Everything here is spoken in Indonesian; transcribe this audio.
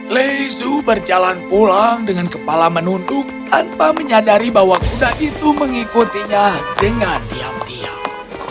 lezu berjalan pulang dengan kepala menunduk tanpa menyadari bahwa kuda itu mengikutinya dengan diam diam